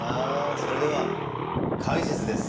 それでは解説です。